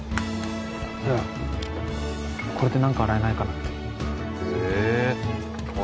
いやこれで何か洗えないかなってへえ頭